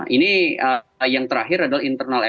ini yang terakhir adalah internal